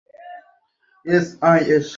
চেঁচামেচি করিস না।